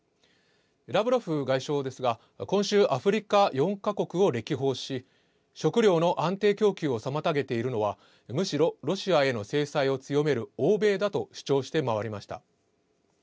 ラブロフ外相ですが、今週、アフリカ４か国を歴訪し、食料の安定供給を妨げているのは、むしろロシアへの制裁を強める欧米だと主張して回りました。